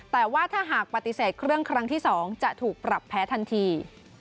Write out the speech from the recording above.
แต่ว่าถ้าหากปฏิเสธเครื่องครั้งที่๒จะถูกปรับแพ้ทันที